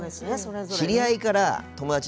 知り合いから友達。